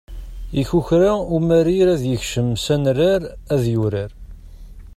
Ikukra umarir ad yekcem s anrar ad yurar.